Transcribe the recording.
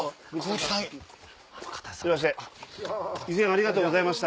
以前ありがとうございました。